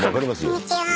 こんにちは。